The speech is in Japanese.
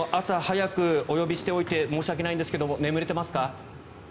朝早くお呼びしておいて申し訳ないんですが眠れていますか？